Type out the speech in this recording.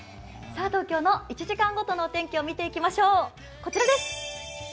東京の１時間ごとの天気を見ていきましょう、こちらです。